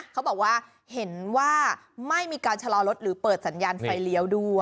เขาบอกว่าเห็นว่าไม่มีการชะลอรถหรือเปิดสัญญาณไฟเลี้ยวด้วย